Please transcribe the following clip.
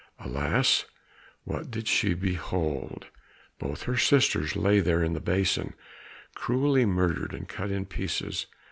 Alas, what did she behold! Both her sisters lay there in the basin, cruelly murdered, and cut in pieces.